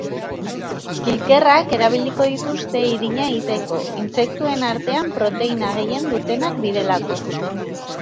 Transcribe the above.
Kilkerrak erabiliko dituzte irina egiteko, intsektuen artean proteina gehien dutenak direlako.